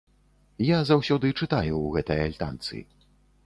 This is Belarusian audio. Я заўсёды чытаю ў гэтай альтанцы.